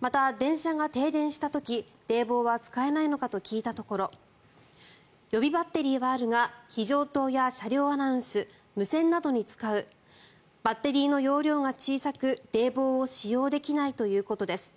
また、電車が停電した時冷房は使えないのかと聞いたところ予備バッテリーはあるが非常灯や車両アナウンス無線などに使うバッテリーの容量が小さく冷房を使用できないということです。